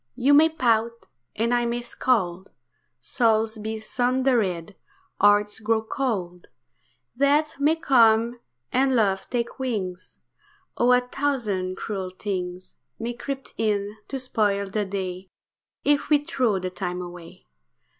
You may pout, and I may scold, Souls be sundered, hearts grow cold; Death may come, and love take wings; Oh! a thousand cruel things May creep in to spoil the day, If we throw the time away.